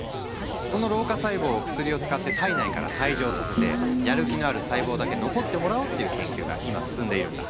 この老化細胞を薬を使って体内から退場させてやる気のある細胞だけ残ってもらおうっていう研究が今進んでいるんだ。